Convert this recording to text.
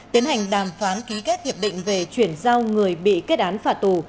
tiến hành đàm phán ký kết hiệp định về chuyển giao người bị kết án phạt tù